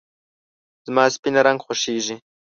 زما سپین رنګ خوښېږي .